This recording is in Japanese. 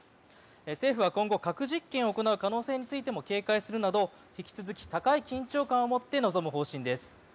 政府は今後核実験を行う可能性についても警戒するなど引き続き高い緊張感を持って臨む方針です。